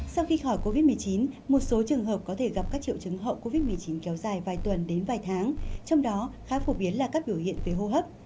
sau khi khỏi covid một mươi chín một số trường hợp có thể gặp các triệu chứng hậu covid một mươi chín kéo dài vài tuần đến vài tháng trong đó khá phổ biến là các biểu hiện về hô hấp